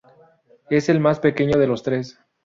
Es el más pequeño de los tres.